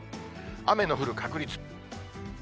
雨の降る確率。